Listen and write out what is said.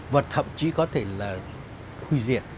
và thậm chí có thể là hủy diệt